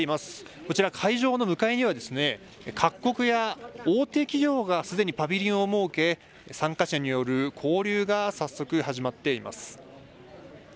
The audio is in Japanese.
こちら、会場の向かいには、各国や大手企業がすでにパビリオンを設け、参加者による交流が早速、始まっています。